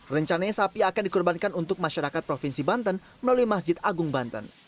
rencananya sapi akan dikorbankan untuk masyarakat provinsi banten melalui masjid agung banten